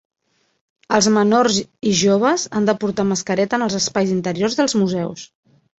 Els menors i joves han de portar mascareta en els espais interiors dels museus.